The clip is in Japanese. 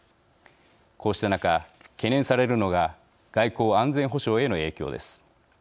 こうした中懸念されるのが外交安全保障への影響です。